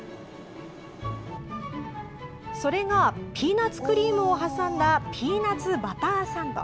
それがピーナツクリームを挟んだ、ピーナツバターサンド。